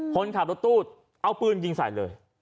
คนขับรถตู้เอาปืนยิงใส่เลย